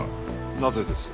なぜです？